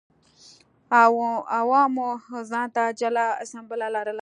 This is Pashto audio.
عوامو ځان ته جلا اسامبله لرله